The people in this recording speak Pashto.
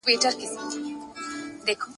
اوس دي په غزل کي شرنګ د هري مسرۍ څه وايي ..